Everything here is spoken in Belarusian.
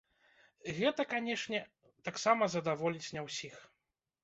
Гэта, канечне, таксама задаволіць не ўсіх.